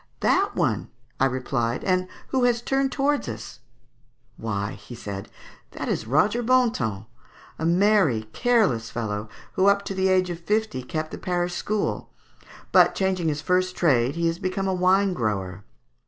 "That one," I replied, "and who has turned towards us?" "Why," said he, "that is Roger Bontemps, a merry careless fellow, who up to the age of fifty kept the parish school; but changing his first trade he has become a wine grower.